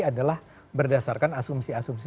adalah berdasarkan asumsi asumsi